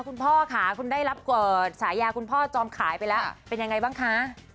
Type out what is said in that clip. คุณพ่อค่ะคุณได้รับฉายาคุณพ่อจอมขายไปแล้วเป็นยังไงบ้างคะ